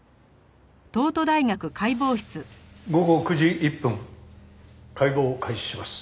午後９時１分解剖を開始します。